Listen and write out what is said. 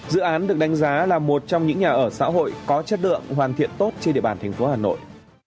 dự án được đánh giá là một trong những nhà ở xã hội có chất lượng hoàn thiện tốt trên địa bàn thành phố hà nội